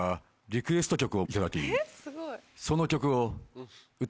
リクエスト曲？